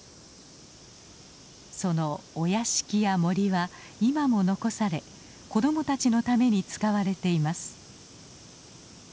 そのお屋敷や森は今も残され子供たちのために使われています。